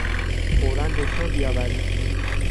فورا دکتر بیاورید!